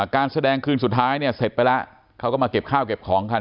การแสดงคืนสุดท้ายเนี่ยเสร็จไปแล้วเขาก็มาเก็บข้าวเก็บของกัน